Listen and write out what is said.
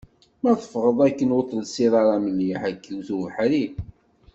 Ma teffɣeḍ akken ur telsiḍ ara mliḥ, ad k-iwet ubeḥri.